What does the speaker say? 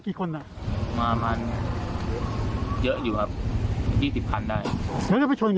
ชนช่วงท้ายหรือช่วง